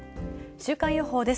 週間予報です。